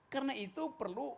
karena itu perlu